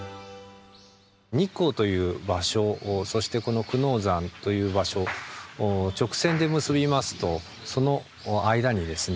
日光という場所そして久能山という場所を直線で結びますとその間にですね